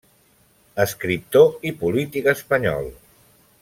Escriptor i polític espanyol.